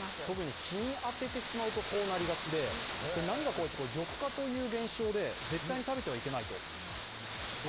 特に日に当ててしまうとこうなりがちで、何が怖いって、緑化という現象で絶対に食べてはいけないと。